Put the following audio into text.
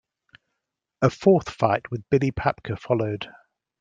A fourth fight with Billy Papke followed.